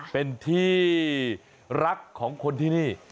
เป็นที่รักของคนที่นี่